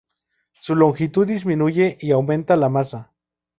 Su longitud disminuye y aumenta la masa.